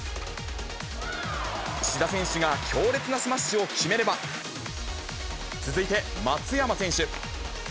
志田選手が強烈なスマッシュを決めれば、続いて松山選手。